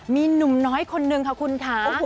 มีหนุ่มน้อยคนนึงค่ะคุณค่ะ